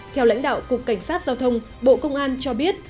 theo lãnh đạo cục cảnh sát giao thông bộ công an cho biết